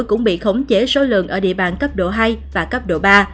cũng bị khống chế số lượng ở địa bàn cấp độ hai và cấp độ ba